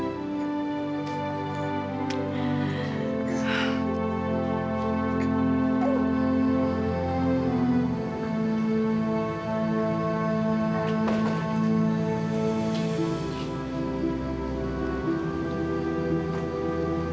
aku udah selesa box